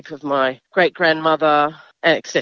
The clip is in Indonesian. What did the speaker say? penyakit berat dari nenek saya